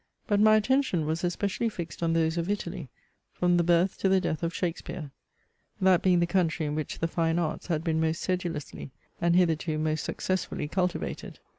But my attention was especially fixed on those of Italy, from the birth to the death of Shakespeare; that being the country in which the fine arts had been most sedulously, and hitherto most successfully cultivated.